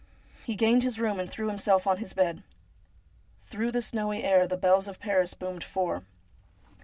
He gained his room, and threw himself on his bed. Through the snowy air the bells of Paris boomed four.